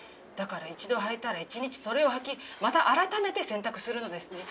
だから一度履いたら一日それを履きまた改めて洗濯するのです。